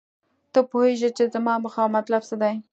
ته پوهیږې چې زما موخه او مطلب څه دی